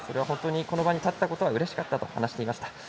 この場に立てたことがうれしかったと話していました。